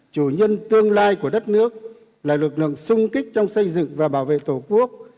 chủ nhân tương lai của đất nước là lực lượng sung kích trong xây dựng và bảo vệ tổ quốc